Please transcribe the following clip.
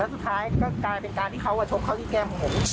สุดท้ายก็กลายเป็นการที่เขาชกเขาที่แก้มของผม